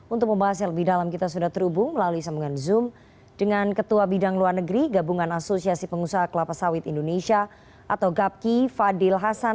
untuk membahas yang lebih dalam kita sudah terhubung melalui sambungan zoom dengan ketua bidang luar negeri gabungan asosiasi pengusaha kelapa sawit indonesia atau gapki fadil hasan